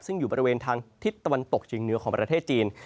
ซึ่งอยู่บริเวณทางทิศตะวันตกเฉียงเหนือของประเทศจีน